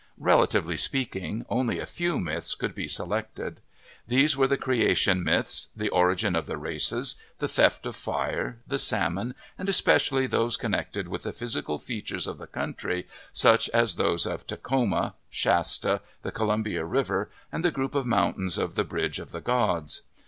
Relatively speaking, only a few myths could be selected. These were the creation myths, the ori gin of the races, the theft of fire, the salmon, and espe cially those connected with the physical features of the country, such as those of Takhoma, Shasta, the Co lumbia River, and the group of mountains of the bridge of the gods.